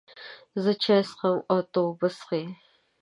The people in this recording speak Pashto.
زه چای څښم او ته اوبه څښې